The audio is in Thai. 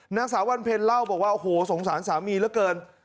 นางสาววันเพ็ญเล่าบอกว่าโอ้โหสงสารสามีเหลือเกิน